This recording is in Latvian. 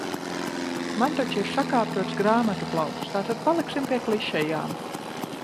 Man taču ir sakārtots grāmatu plaukts, tātad paliksim pie klišejām.